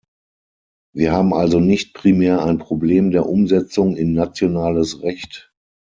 Wir haben also nicht primär ein Problem der Umsetzung in nationales Recht.